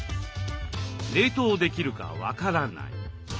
「冷凍できるか分からない」。